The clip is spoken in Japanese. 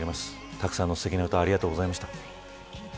たくさんのすてきな歌をありがとうございました。